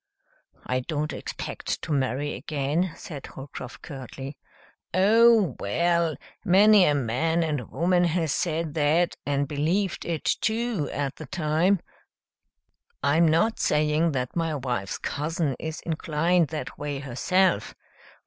"I don't expect to marry again," said Holcroft curtly. "Oh, well! Many a man and woman has said that and believed it, too, at the time. I'm not saying that my wife's cousin is inclined that way herself.